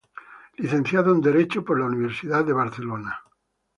Licenciado en Derecho por la Universidad de Barcelona.